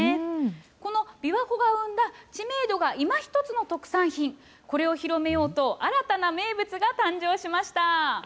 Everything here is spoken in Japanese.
このびわ湖が生んだ知名度がいまひとつの特産品、これを広めようと、新たな名物が誕生しました。